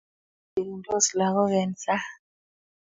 urerensot lagok eng sang